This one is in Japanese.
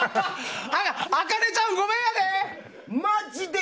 あかねちゃん、ごめんやで！